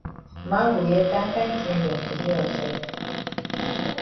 Man go hear kind kind tin dem for di outside.